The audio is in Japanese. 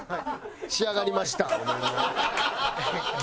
仕上がりました。